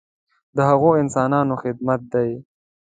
د هغو انسانانو خدمت دی.